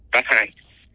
đó là hai